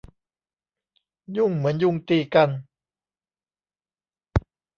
ยุ่งเหมือนยุงตีกัน